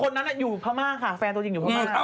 คือคนนั้นเนี๊ยงพระม่าแฟนตัวจริงที่อยู่พระม่า